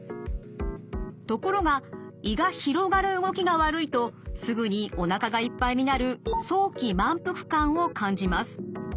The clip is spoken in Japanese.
ところが胃が広がる動きが悪いとすぐにおなかがいっぱいになる早期満腹感を感じます。